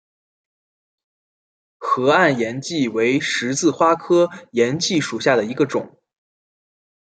河岸岩荠为十字花科岩荠属下的一个种。